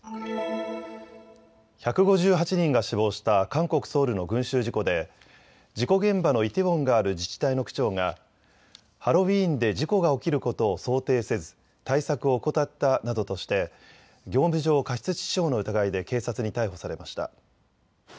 １５８人が死亡した韓国ソウルの群集事故で事故現場のイテウォンがある自治体の区長がハロウィーンで事故が起きることを想定せず対策を怠ったなどとして業務上過失致死傷の疑いで警察に逮捕されました。